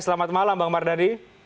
selamat malam bang mardani